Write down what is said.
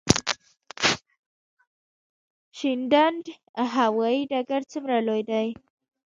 شینډنډ هوايي ډګر څومره لوی دی؟